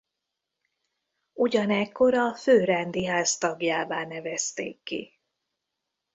Ugyanekkor a főrendiház tagjává nevezték ki.